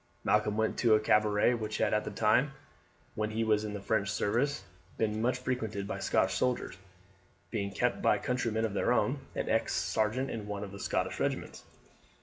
Malcolm went to a cabaret which had at the time when he was in the French service been much frequented by Scotch soldiers, being kept by a countryman of their own, an ex sergeant in one of the Scottish regiments.